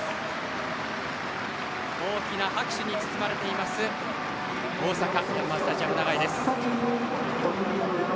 大きな拍手に包まれています大阪ヤンマースタジアム長居です。